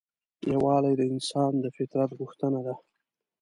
یووالی د انسان د فطرت غوښتنه ده.